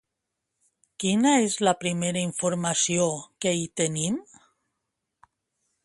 Quina és la primera informació que hi tenim?